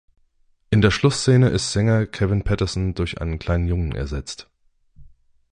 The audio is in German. In der Schlussszene ist Sänger Kevin Patterson durch einen kleinen Jungen ersetzt.